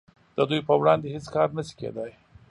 د دوی په وړاندې هیڅ کار نشي کیدای